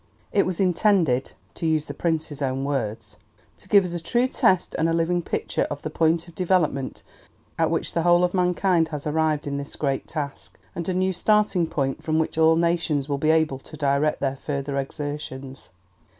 It was intended, to use the Prince's own words, "To give us a true test and a living picture of the point of development at which the whole of mankind has arrived in this great task, and a new starting point from which all nations will be able to direct their further exertions."